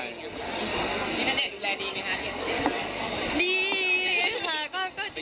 พี่นัทเนี่ยดูแลดีไหมงานไหน